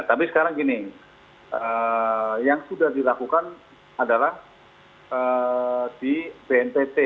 tapi sekarang gini yang sudah dilakukan adalah di bnpt